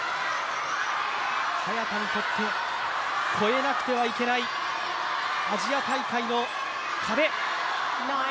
早田にとって越えなくてはいけないアジア大会の壁。